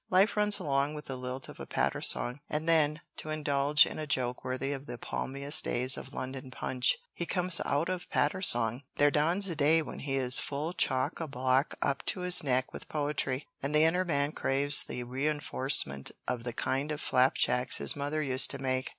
Life runs along with the lilt of a patter song and then, to indulge in a joke worthy of the palmiest days of London Punch, he comes out of Patter Song! There dawns a day when he is full chock a block up to his neck with poetry, and the inner man craves the re enforcement of the kind of flapjacks his mother used to make.